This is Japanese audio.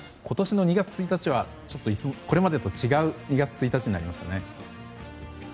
今年の２月１日はこれまでとは違う２月１日になりましたね。